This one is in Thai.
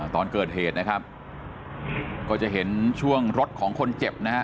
ตอนเกิดเหตุนะครับก็จะเห็นช่วงรถของคนเจ็บนะฮะ